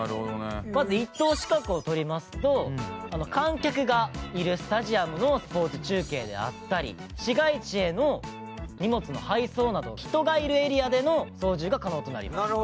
まず一等資格を取りますと観客がいるスタジアムのスポーツ中継であったり市街地への荷物の配送など人がいるエリアでの操縦が可能となります。